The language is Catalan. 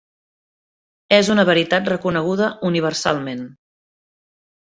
És una veritat reconeguda universalment.